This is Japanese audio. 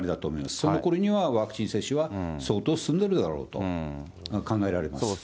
そのころにはワクチン接種は相当進んでるだろうと考えられます。